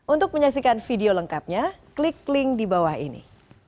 untuk menyaksikan video lengkapnya klik link di bawah ini